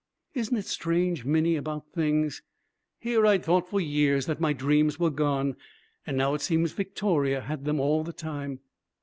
Isn't it strange, Minnie, about things? Here I'd thought for years that my dreams were gone. And now it seems Victoria had them, all the time.